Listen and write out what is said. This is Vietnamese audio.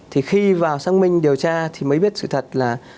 thì khi vào xác minh điều tra thì mới biết sự thật là